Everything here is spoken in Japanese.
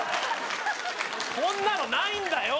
こんなのないんだよ！